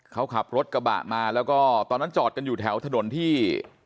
เขาขับรถกระบะมาแล้วก็ตอนนั้นจอดกันอยู่แถวถนนที่